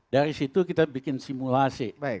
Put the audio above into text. dari situ kita bikin simulasi